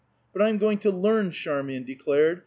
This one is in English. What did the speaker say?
"But I'm going to learn" Charmian declared.